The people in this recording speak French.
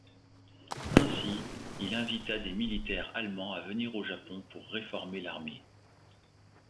Ainsi, il invita des militaires allemands à venir au Japon pour réformer l'armée.